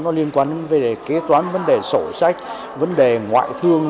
nó liên quan đến về kế toán vấn đề sổ sách vấn đề ngoại thương